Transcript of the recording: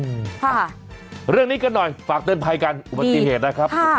ค่ะเรื่องนี้กันหน่อยฝากเตือนภัยกันอุบัติเหตุนะครับ